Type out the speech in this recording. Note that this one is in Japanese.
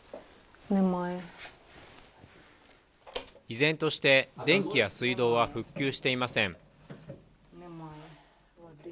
依然として電気や水道は復旧していません。